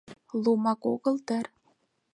Лумак огыл дыр?